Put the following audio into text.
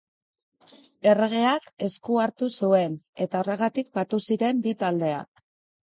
Erregeak esku hartu zuen, eta horregatik batu ziren bi taldeak.